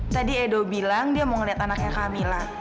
tadi edo bilang dia mau melihat anaknya kamila